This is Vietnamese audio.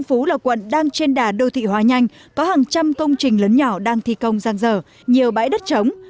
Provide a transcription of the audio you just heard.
tân phú lập quận đang trên đà đô thị hóa nhanh có hàng trăm công trình lớn nhỏ đang thi công gian dở nhiều bãi đất trống